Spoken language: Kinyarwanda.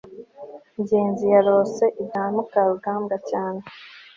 ngenzi yarose ibya mukarugambwa cyane